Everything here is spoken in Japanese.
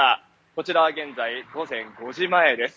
こちらは現在、午前５時前です。